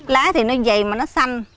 lá thì nó dày mà nó xanh